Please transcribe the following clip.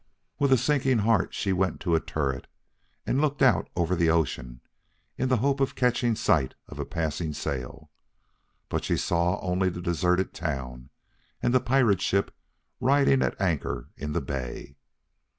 With a sinking heart she went to a turret and looked out over the ocean in the hope of catching sight of a passing sail. But she saw only the deserted town and the pirate ship riding at anchor in the bay.